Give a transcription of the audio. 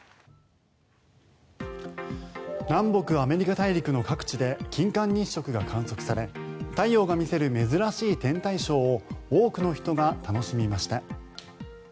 南北アメリカ大陸の各地で金環日食が観測され太陽が見せる珍しい天体ショーを多くの人が楽しみました。